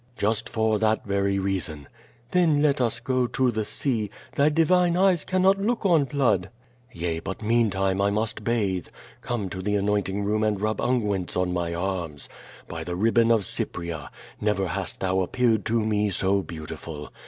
"Just for that very reason." "Then let us go to the sea; thy divine eyes cannot look on blood." "Yea, but meantime I must bathe. Come to the anointing room and rub unguents on my arms. By the ribbon of Cy pria, never hast thou appeared to me so beautiful.